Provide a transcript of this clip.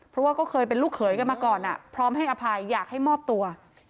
เพราะว่าก็เคยเป็นลูกเขยกันมาก่อนพร้อมให้อภัยอยากให้มอบตัว